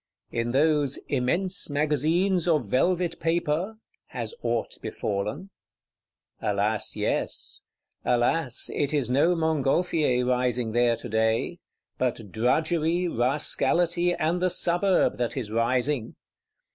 In those "immense Magazines of velvet paper" has aught befallen? Alas, yes! Alas, it is no Montgolfier rising there today; but Drudgery, Rascality and the Suburb that is rising!